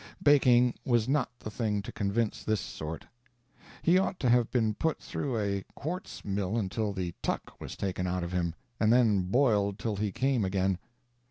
Baking was not the thing to convince this sort. He ought to have been put through a quartz mill until the "tuck" was taken out of him, and then boiled till we came again.